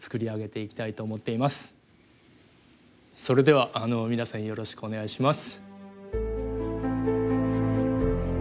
それでは皆さんよろしくお願いします。